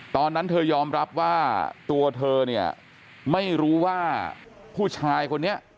ตอนนั้นเธอยอมรับว่าตัวเธอเนี่ยไม่รู้ว่าผู้ชายคนนี้